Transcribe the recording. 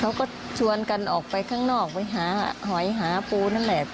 เขาก็ชวนกันออกไปข้างนอกไปหาหอยหาปูนั่นแหละ